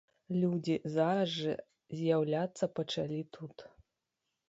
Людзі зараз жа з'яўляцца пачалі тут.